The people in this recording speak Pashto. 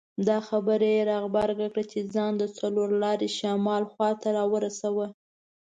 دا خبره یې را غبرګه کړه چې ځان د څلور لارې شمال خواته راورساوه.